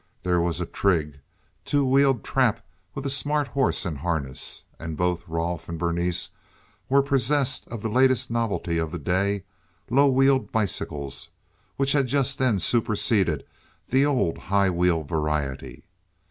There was a trig two wheeled trap with a smart horse and harness, and both Rolfe and Berenice were possessed of the latest novelty of the day—low wheeled bicycles, which had just then superseded the old, high wheel variety.